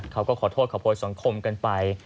เขาก็ขอโทษขอโพยสังคมกันไป